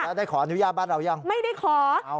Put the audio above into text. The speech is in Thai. แล้วได้ขออนุญาตบ้านเรายังไม่ได้ขอ